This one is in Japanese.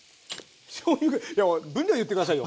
しょうゆういや分量言って下さいよ。